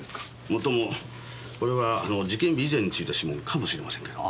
もっともこれは事件日以前に付いた指紋かもしれませんけど。